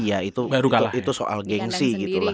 iya itu soal gengsi gitu lah